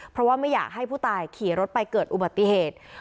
เพราะว่าไม่อยากให้ผู้ตายขี่รถไปเกิดอุบัติเหตุ